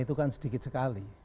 itu kan sedikit sekali